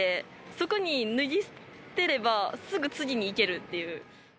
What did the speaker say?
そこに脱ぎ捨てればすぐ次にいけるっていう。